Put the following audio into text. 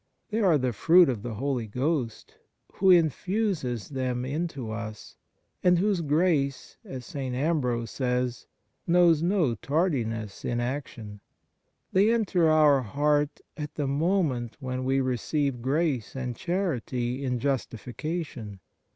They are the fruit of the Holy Ghost, who in fuses them into us, and whose grace, as St. Ambrose says, knows no tardiness in action. They enter our heart at the moment when we receive grace and charity in justification.